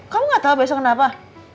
kamu gak tahu besok kenapa